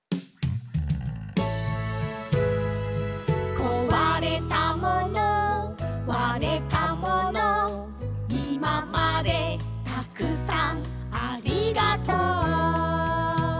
「壊れたもの割れたもの」「今までたくさんありがとう」